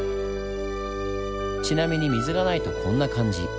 ちなみに水がないとこんな感じ。